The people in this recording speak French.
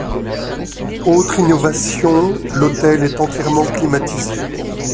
Autre innovation, l’hôtel est entièrement climatisé.